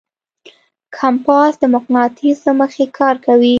کمپاس د مقناطیس له مخې کار کوي.